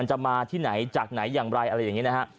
จะมาที่ไหนจากไหนอย่างไรอะไรแบบนี้นะครับ